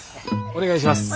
お願いします。